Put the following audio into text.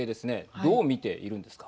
どう見ているんですか。